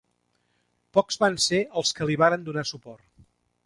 Pocs van ser els que li varen donar suport.